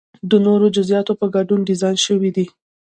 د نورو جزئیاتو په ګډون ډیزاین شوی دی.